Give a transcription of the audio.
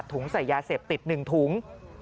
ถุงใส่ยาเสพติดหนึ่งถุง